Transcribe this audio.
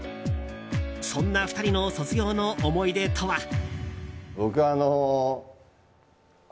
そんな２人の卒業の思い出とは。